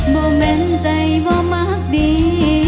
บ่เหมือนใจบ่มากดี